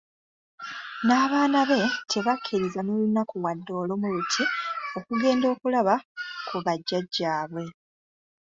N'abaana be tabakkiriza n'olunaku wadde olumu luti okugenda okulaba ku bajjajjaabwe.